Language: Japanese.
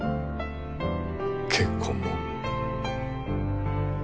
結婚も。